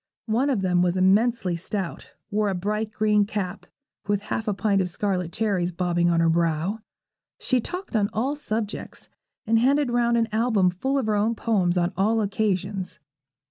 One of them was immensely stout, wore a bright green cap, with half a pint of scarlet cherries bobbing on her brow. She talked on all subjects, and handed round an album full of her own poems on all occasions.